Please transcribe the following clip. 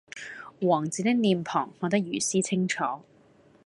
王子的臉龐看得如斯清楚